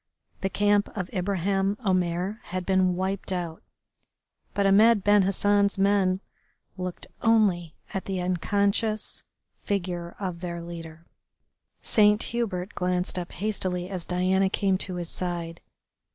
The camp of Ibraheim Omair had been wiped out, but Ahmed Ben Hassan's men looked only at the unconscious figure of their leader. Saint Hubert glanced up hastily as Diana came to his side.